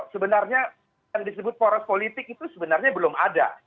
sebenarnya yang disebut poros politik itu sebenarnya belum ada